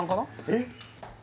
えっ？